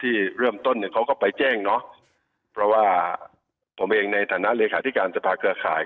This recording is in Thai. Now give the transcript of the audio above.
ที่เริ่มต้นเนี่ยเขาก็ไปแจ้งเนาะเพราะว่าผมเองในฐานะเลขาธิการสภาเครือข่าย